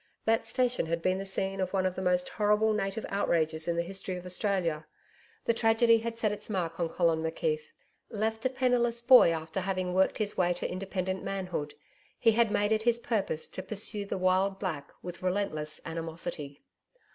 That station had been the scene of one of the most horrible native outrages in the history of Australia. The tragedy had set its mark on Colin McKeith. Left a penniless boy after having worked his way to independent manhood he had made it his purpose to pursue the wild black with relentless animosity.